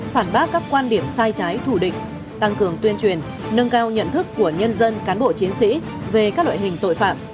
phản bác các quan điểm sai trái thù địch tăng cường tuyên truyền nâng cao nhận thức của nhân dân cán bộ chiến sĩ về các loại hình tội phạm